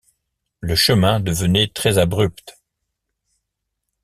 Le chemin devenait très-abrupt.